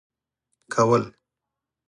كول.